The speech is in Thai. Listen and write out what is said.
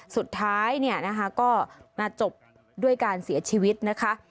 สุดท้ายก็มาจบด้วยการเสียชีวิตนะคะ